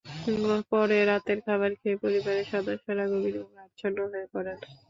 পরে রাতের খাবার খেয়ে পরিবারের সদস্যরা গভীর ঘুমে আচ্ছন্ন হয়ে পড়েন।